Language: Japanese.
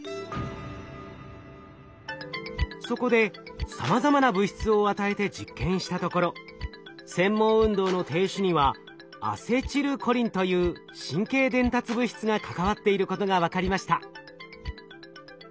そこでさまざまな物質を与えて実験したところ繊毛運動の停止にはアセチルコリンという神経伝達物質が関わっていることが分かりました。